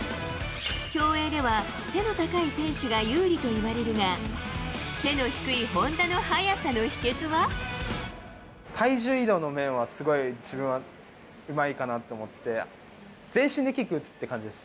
競泳では、背の高い選手が有利といわれるが、体重移動の面は、すごい自分はうまいかなと思ってて、全身でキック打つって感じです。